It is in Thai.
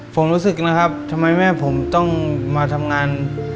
ผมรู้สึกนะครับทำไมแม่ผมต้องมาทำงาน